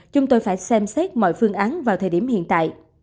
chúng tôi phải xem xét mọi phương án vào thời điểm hiện tại